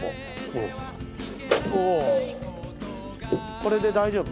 これで大丈夫？